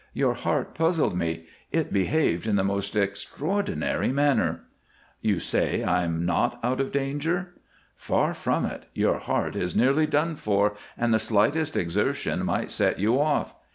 Your heart puzzled me; it behaved in the most extraordinary manner." "You say I'm not out of danger?" "Far from it. Your heart is nearly done for, and the slightest exertion might set you off.